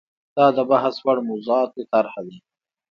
دا د بحث وړ موضوعاتو طرحه ده.